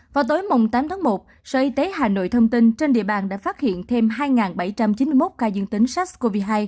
vào tối tám tháng một sở y tế hà nội thông tin trên địa bàn đã phát hiện thêm hai bảy trăm chín mươi một ca dương tính sars cov hai